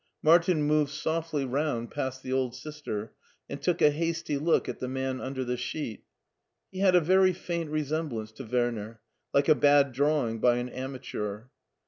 Martin moved softly round past the old Sister, and took a hasty look at the man under the sheet. He had a very faint resemblance to Werner — ^like a bad drawjng by an amateur.